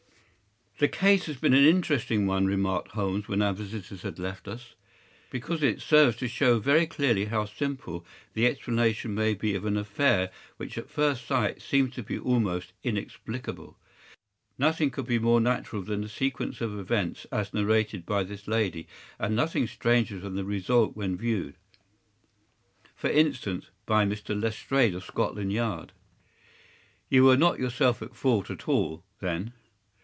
” “The case has been an interesting one,” remarked Holmes, when our visitors had left us, “because it serves to show very clearly how simple the explanation may be of an affair which at first sight seems to be almost inexplicable. Nothing could be more natural than the sequence of events as narrated by this lady, and nothing stranger than the result when viewed, for instance, by Mr. Lestrade, of Scotland Yard.” “‘I WILL WISH YOU ALL A VERY GOOD NIGHT.’” “You were not yourself at fault at all, then?